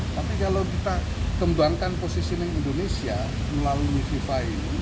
tapi kalau kita kembangkan posisi indonesia melalui bipaem